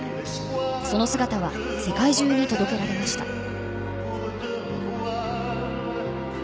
その姿は世界中に届けられました。